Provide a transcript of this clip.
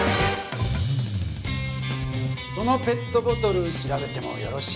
そのペットボトル調べてもよろしいですか？